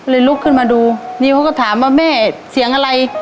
ลุกขึ้นมาดูนิวเขาก็ถามว่าแม่เสียงอะไร